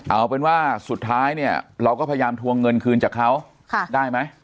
เอาเป็นว่าสุดท้ายเนี่ยเราก็พยายามทวงเงินคืนจากเขาได้ไหม